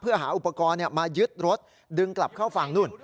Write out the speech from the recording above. เพื่อหาอุปกรณ์มายึดรถดึงกลับเข้าฝั่งนู่น